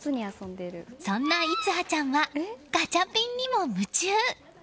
そんな稜華ちゃんはガチャピンにも夢中。